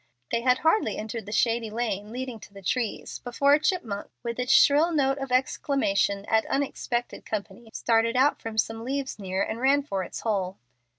They had hardly entered the shady lane leading to the trees before a chipmonk, with its shrill note of exclamation at unexpected company, started out from some leaves near and ran for its hole.